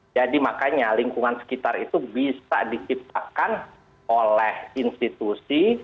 jadi makanya lingkungan sekitar itu bisa diciptakan oleh institusi